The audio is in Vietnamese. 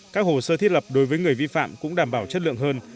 các hồ sơ thiết lập đối với người vi phạm cũng đảm bảo chất lượng hơn